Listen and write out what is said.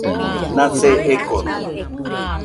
Nase ekono.